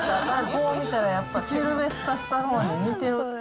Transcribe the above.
こう見たらやっぱ、シルベスタ・スタローンに似てる。